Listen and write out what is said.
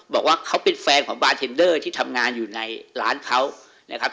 บอกว่าเขาเป็นแฟนของบาร์เทนเดอร์ที่ทำงานอยู่ในร้านเขานะครับ